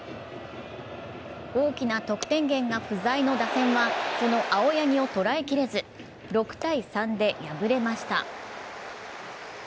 大きな得点源が不在の打線はその青柳を捉えきれず、６−３で敗れました。